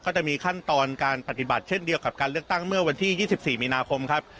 จะมีขั้นตอนการปฏิบัติเช่นเดียวกับการเลือกตั้งเมื่อวันที่๒๔มีนาคมครับ